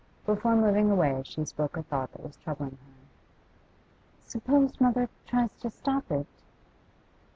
Before moving away she spoke a thought that was troubling her. 'Suppose mother tries to stop it?